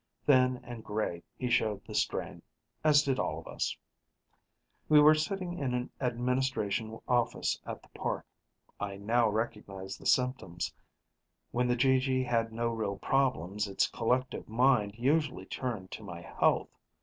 Thin and gray, he showed the strain as did all of us. We were sitting in an administration office at the park. I now recognized the symptoms; when the GG had no real problems, its collective mind usually turned to my health.